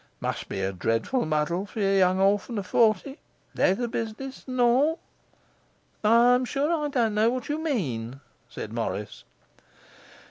Must be dreadful muddle for young orphan o' forty; leather business and all!' 'I am sure I don't know what you mean,' said Morris.